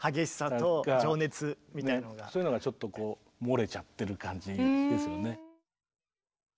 そういうのがちょっとこう漏れちゃってる感じですよね。